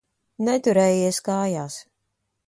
Neturējies kājās.